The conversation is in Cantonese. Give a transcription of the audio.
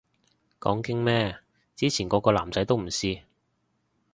講經咩，之前個個男仔都唔試